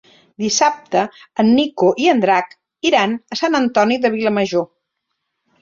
Dissabte en Nico i en Drac iran a Sant Antoni de Vilamajor.